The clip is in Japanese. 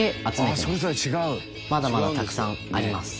まだまだたくさんあります。